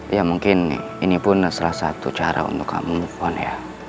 ya mungkin ini pun salah satu cara untuk kamu move on ya